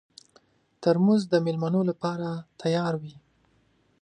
ترموز د مېلمنو لپاره تیار وي.